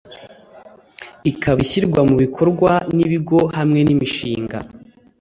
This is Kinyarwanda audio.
ikaba ishyirwa mu bikorwa n ibigo hamwe n imishinga